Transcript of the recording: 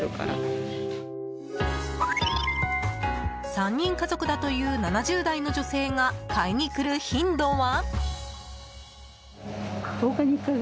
３人家族だという７０代の女性が買いに来る頻度は。